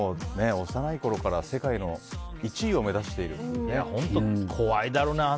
幼いころから世界の１位を目指しているという。